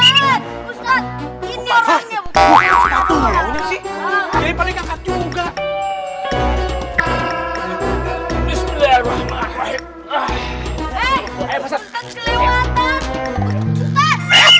assalamualaikum warahmatullah wabarakatuh